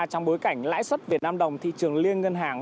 trong bối cảnh lãi suất việt nam đồng thị trường liên ngân hàng